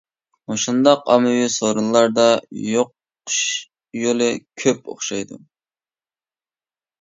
مۇشۇنداق ئاممىۋى سورۇنلاردا يۇقۇش يولى كۆپ ئوخشايدۇ.